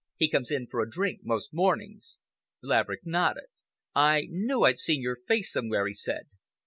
He comes in for a drink most mornings." Laverick nodded. "I knew I'd seen your face somewhere," he said.